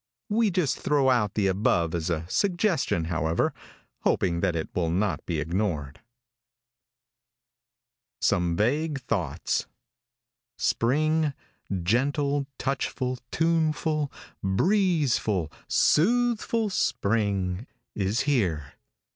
We just throw out the above as a suggestion, however, hoping that it will not be ignored. SOME VAGUE THOUGHTS. |SPRING, gentle, touchful, tuneful, breezeful, soothful spring is here.